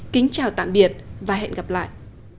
kính chào tạm biệt và hẹn gặp lại